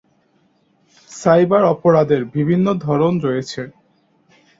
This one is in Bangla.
সাইবার অপরাধের বিভিন্ন ধরন রয়েছে।